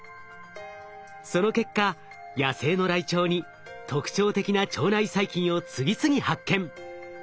その結果野生のライチョウに特徴的な腸内細菌を次々発見。